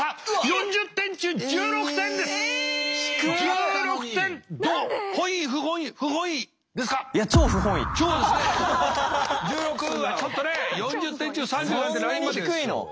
４０点中３０なんてラインまで。